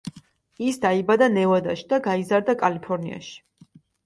ის დაიბადა ნევადაში და გაიზარდა კალიფორნიაში.